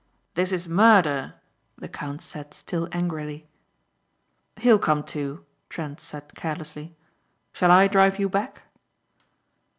"This is murder!" the count said still angrily. "He'll come to," Trent said carelessly. "Shall I drive you back?"